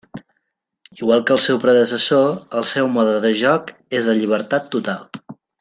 Igual que el seu predecessor, el seu mode de joc és de llibertat total.